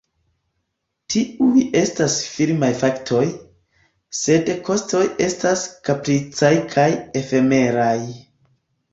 Tiuj estas firmaj faktoj, sed kostoj estas kapricaj kaj efemeraj.